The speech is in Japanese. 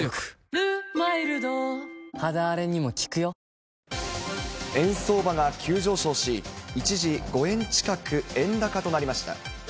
ぐ円相場が急上昇し、一時、５円近く円高となりました。